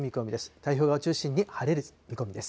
太平洋側を中心に晴れる見込みです。